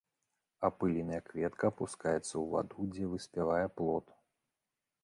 Апыленая кветка апускаецца ў ваду, дзе выспявае плод.